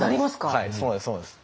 はいそうなんです。